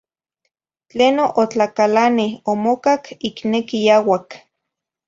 Tleno otlacalane, omocac icne quiyauac